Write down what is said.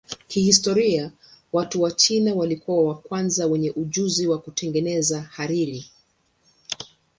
Kihistoria watu wa China walikuwa wa kwanza wenye ujuzi wa kutengeneza hariri.